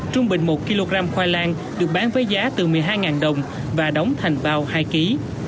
trung bình một kg khoai lang được bán với giá từ một mươi hai đồng và đóng thành bao hai kg